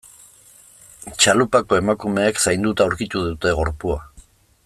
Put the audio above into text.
Txalupako emakumeek zainduta aurkitu dute gorpua.